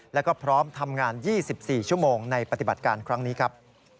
แล้วก็พร้อมทำงาน๒๔ชั่วโมงในปฏิบัติการครั้งนี้ครับ